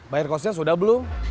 bayar kosnya sudah belum